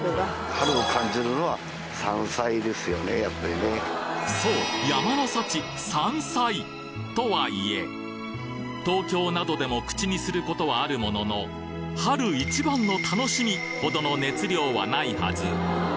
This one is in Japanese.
それはそう山の幸とは言え東京などでも口にすることはあるもののほどの熱量はないはず